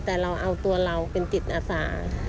แต่เราเอาตัวเราเป็นจิตอาสา